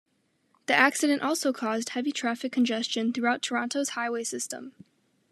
The accident also caused heavy traffic congestion throughout Toronto's highway system.